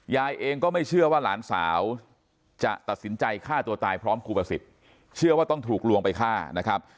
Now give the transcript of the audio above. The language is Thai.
ยายเองก็ไม่เชื่อว่าหลานสาวจะตัดสินใจฆ่าตัวตายพร้อมครูประสิทธิ์เชื่อว่าต้องถูกลวงไปฆ่านะครับ